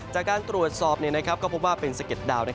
จากการตรวจสอบนี้ได้ก็พบว่าเป็นสเขตดาว